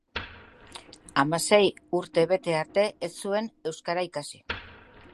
Hamasei urte bete arte ez zuen euskara ikasi.